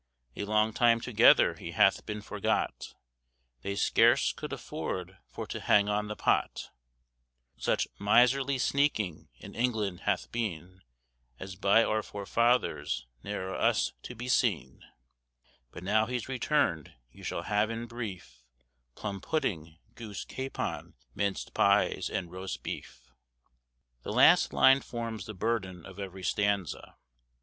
A long time together he hath been forgot, They scarce could afford for to hang on the pot; Such miserly sneaking in England hath been, As by our forefathers ne'er us'd to be seen; But now he's returned you shall have in brief, Plum pudding, goose, capon, minc'd pies and roast beef." The last line forms the burden of every stanza.